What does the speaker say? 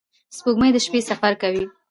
• سپوږمۍ د شپې سفر کوي.